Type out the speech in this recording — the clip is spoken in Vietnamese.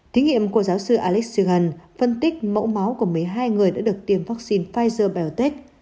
thí nghiệm của giáo sư alex zygan phân tích mẫu máu của mấy hai người đã được tiêm vaccine pfizer biontech